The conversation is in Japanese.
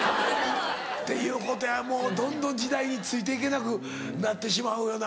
っていうことやもうどんどん時代について行けなくなってしまうよな。